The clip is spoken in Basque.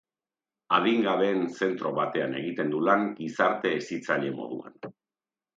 Adingabeen zentro batean egiten du lan, gizarte hezitzaile moduan.